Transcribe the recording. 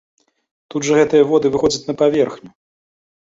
Тут жа гэтыя воды выходзяць на паверхню!